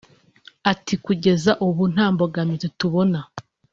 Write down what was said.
Ati “Kugeza ubu nta mbogamizi tubona